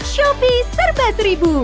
shopee serba seribu